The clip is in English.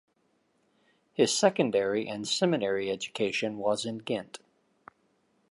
His secondary and seminary education was in Ghent.